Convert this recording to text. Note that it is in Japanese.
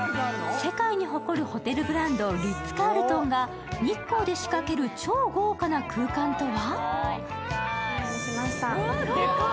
世界に誇るホテルブランド、リッツ・カールトンが日光で仕掛ける超豪華な空間とは？